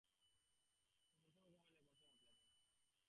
Gen, তোমার বাঁচার একটা সম্ভাবনা থেকে থাকলেও সেটা তোমার নিতে হবে।